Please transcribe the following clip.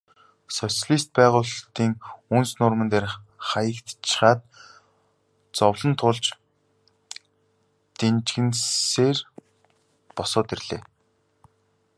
Социалист байгуулалтын үнс нурман дээр хаягдчихаад зовлон туулж дэнжгэнэсээр босоод ирлээ.